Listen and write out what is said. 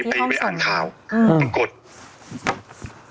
ไปที่ห้องศัตรู